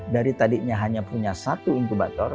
dari tadinya hanya punya satu inkubator